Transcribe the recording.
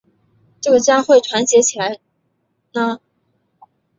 这个家会团结起来呢？